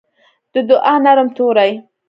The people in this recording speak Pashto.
د دوعا نرم توري